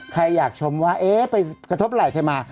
ใครอยากชมว่าเอ๊ะไปกระทบไหล่ใครมา